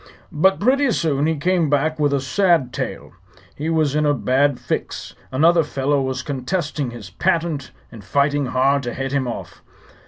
"But pretty soon he came back with a sad tale. He was in a bad fix. Another fellow was contesting his patent and fighting hard to head him off.